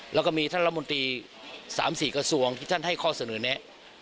แล้วก็มีท่านรัฐมนตรี๓๔กระทรวงที่ท่านให้ข้อเสนอแนะ